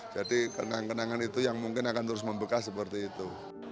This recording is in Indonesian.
jadi kenangan kenangan itu yang mungkin akan terus membekas seperti itu